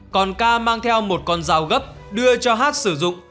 còn k mang theo một con rào gấp đưa cho h sử dụng